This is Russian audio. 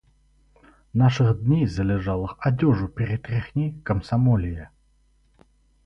Наших дней залежалых одёжу перетряхни, комсомолия!